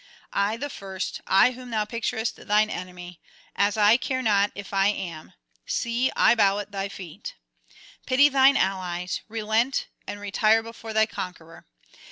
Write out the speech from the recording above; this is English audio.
I the first, I whom thou picturest thine enemy, as I care not if I am, see, I bow at thy feet. Pity thine allies; relent, and retire before thy conqueror.